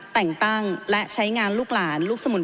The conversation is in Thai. แต่งตั้งและใช้งานลูกหลานลูกสมุน